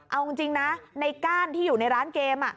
เอาจริงนะในก้านที่อยู่ในร้านเกม